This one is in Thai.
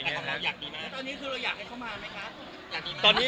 ตอนนี้คืออยากให้เขามาไหมครับ